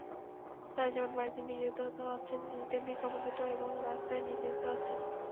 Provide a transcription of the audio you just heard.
তাঁরা যেমন বাড়িতে নির্যাতিত হচ্ছেন, তেমনি কর্মক্ষেত্র এবং রাস্তায়ও নির্যাতিত হচ্ছেন।